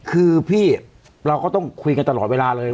คือพี่เราก็ต้องคุยกันตลอดเวลาเลย